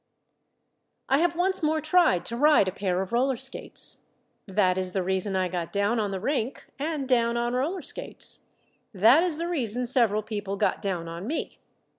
I have once more tried to ride a pair of roller skates. That is the reason I got down on the rink and down on roller skates. That is the reason several people got down on me.